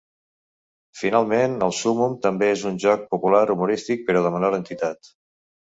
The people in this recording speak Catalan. Finalment, el súmmum també és un joc popular humorístic, però de menor entitat.